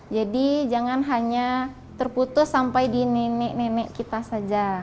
jadi jangan hanya terputus sampai di nenek nenek kita saja